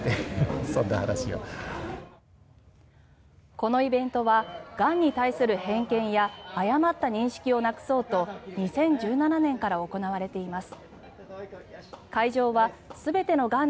このイベントはがんに対する偏見や誤った認識をなくそうと２０１７年から行われています。